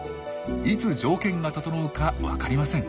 いつ条件が整うか分かりません。